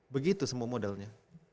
begitu semua modalnya